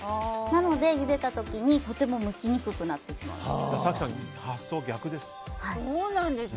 なので、ゆでた時にとてもむきにくくなってしまうんです。